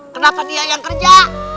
kenapa dia yang kerja